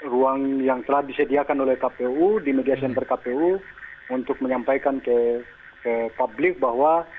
ruang yang telah disediakan oleh kpu di media center kpu untuk menyampaikan ke publik bahwa